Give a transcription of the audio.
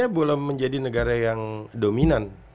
saya belum menjadi negara yang dominan